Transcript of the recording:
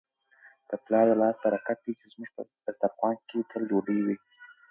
د پلار د لاس برکت دی چي زموږ په دسترخوان کي تل ډوډۍ وي.